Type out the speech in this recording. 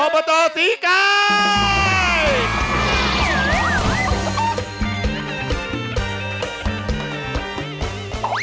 อบตศรีกาย